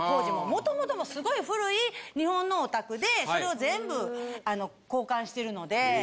元々すごい古い日本のお宅でそれを全部交換してるので。